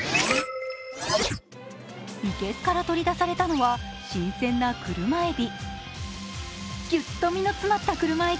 生けすから取り出されたのは新鮮な車えび。